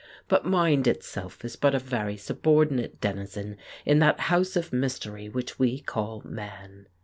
But mind itself is but a very subordinate denizen in that house of mystery which we call man.